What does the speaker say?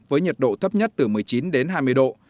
với nhiệt độ thấp nhất từ một mươi chín đến hai mươi độ